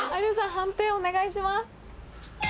判定お願いします。